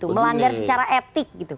melanggar secara etik